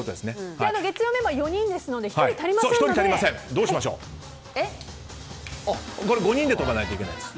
月曜メンバー、４人ですので１人足りないので５人で跳ばないといけないです。